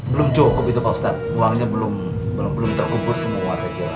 belum cukup itu pak ustadz uangnya belum terkubur semua saya kira